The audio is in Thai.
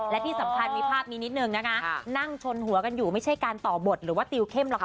และที่สำคัญมีภาพนี้นิดนึงนะคะนั่งชนหัวกันอยู่ไม่ใช่การต่อบทหรือว่าติวเข้มหรอกค่ะ